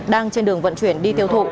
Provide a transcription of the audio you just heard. đang trên đường vận chuyển đi tiêu thụ